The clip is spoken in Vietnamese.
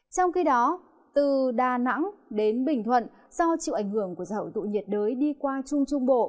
trong khi đó từ đà nẵng đến bình thuận do chịu ảnh hưởng của giải hội tụ nhiệt đới đi qua trung trung bộ